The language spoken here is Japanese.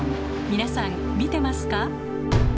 皆さん見てますか？